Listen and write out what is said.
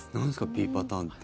Ｂパターンって。